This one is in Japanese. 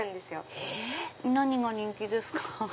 え⁉何が人気ですか？